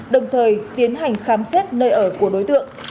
đồng thời tiến hành khám xét nơi ở của đối tượng